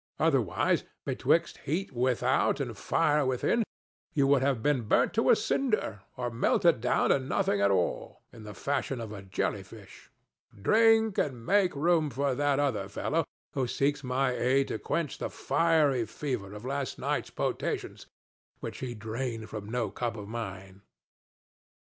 Otherwise, betwixt heat without and fire within, you would have been burnt to a cinder or melted down to nothing at all, in the fashion of a jelly fish. Drink and make room for that other fellow, who seeks my aid to quench the fiery fever of last night's potations, which he drained from no cup of mine.